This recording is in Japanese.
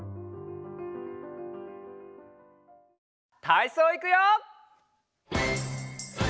たいそういくよ！